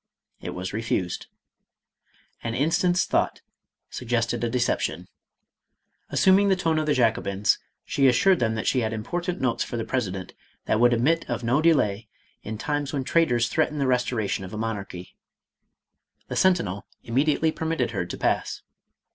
It was refused. An instant's thought suggested a deception. Assuming the tone of the Jacobins, she assured them she had impor tant notes for the president that would admit of no de lay in times when traitors threatened the restoration of a monarchy. The sentinel immediately permitted her to pass.